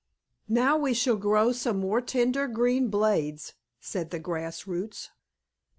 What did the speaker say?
"Now we shall grow some more tender green blades," said the grass roots.